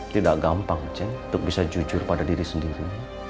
tidak gampang untuk bisa jujur pada diri sendiri